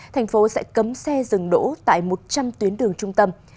thành phố sẽ cấm xe dừng đỗ tại một trăm linh tuyến đường trung tâm